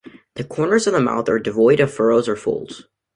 The corners of the mouth are devoid of furrows or folds.